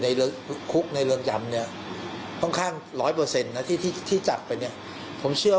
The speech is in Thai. ในคุกในเรืองจำเนี่ยค่อนข้าง๑๐๐ที่จักรไปเนี่ยผมเชื่อ